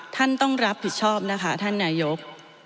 ท่านต้องรับผิดชอบนะคะท่านนายก